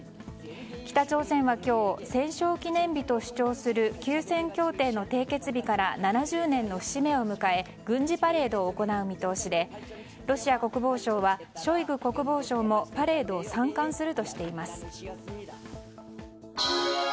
北朝鮮は今日戦勝記念日と主張する休戦協定の締結日から７０年の節目を迎え軍事パレードを行う見通しでロシア国防省はショイグ国防相もパレードを参観するとしています。